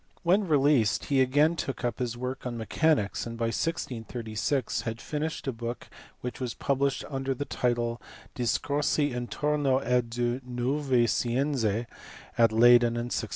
When released he again took up his work on mechanics, and by 1636 had finished a book which was published under the title Discorsi intorno a due nuove scienze at Leyden in 1638.